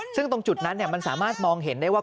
ซึ่งตรงจุดนั้นมันสามารถมองเห็นได้ว่า